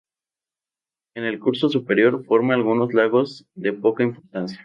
En el curso superior forma algunos lagos de poca importancia.